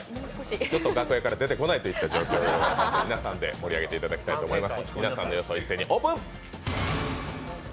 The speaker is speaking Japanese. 楽屋から出てこない状況になっていますので皆さんで盛り上げていただきたいと思います。